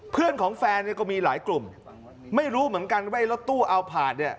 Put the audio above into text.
เพื่อนของแฟนเนี่ยก็มีหลายกลุ่มไม่รู้เหมือนกันว่ารถตู้เอาผ่านเนี่ย